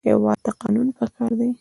هېواد ته قانون پکار دی